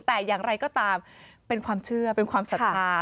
แต่อย่างไรก็ตามเป็นความเชื่อเป็นความศรัทธา